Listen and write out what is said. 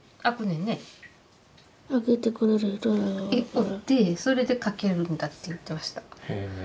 おってそれで描けるんだって言ってました。